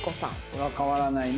これは変わらないね。